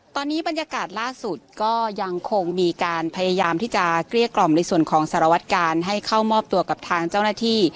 ตอนนี้บรรยากาศล่าสุดก็ยังคงมีการพยายามที่จะเกลี้ยกล่อมในส่วนของสารวัตกาลให้เข้ามอบตัวกับทางเจ้าหน้าที่